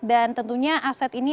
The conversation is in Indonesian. dan tentunya aset ini